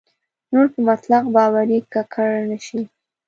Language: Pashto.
نور په مطلق باورۍ ککړ نه شي.